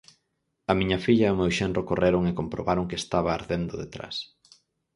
A miña filla e o meu xenro correron e comprobaron que estaba ardendo detrás.